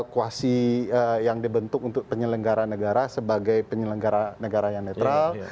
koalisi yang dibentuk untuk penyelenggara negara sebagai penyelenggara negara yang netral